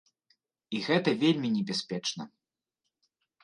І гэта вельмі небяспечна.